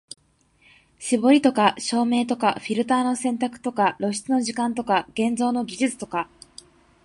絞りとか照明とかフィルターの選択とか露出の時間とか現像の技術とか、